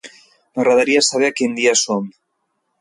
M'agradaria saber a quin dia som.